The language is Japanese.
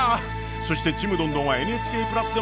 そして「ちむどんどん」は「ＮＨＫプラス」でも配信中！